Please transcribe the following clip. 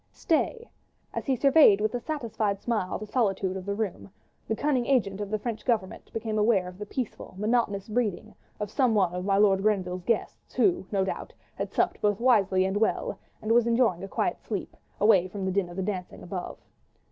Stay! as he surveyed with a satisfied smile the solitude of the room, the cunning agent of the French Government became aware of the peaceful, monotonous breathing of some one of my Lord Grenville's guests, who, no doubt, had supped both wisely and well, and was enjoying a quiet sleep, away from the din of the dancing above.